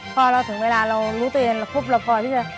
พอเราถึงเวลาเรารู้ตัวเองและควบรับพอที่จะ